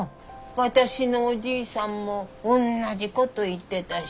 私のおじいさんもおんなじこと言ってたし。